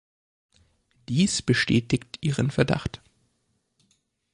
Dies bestätigt ihren Verdacht.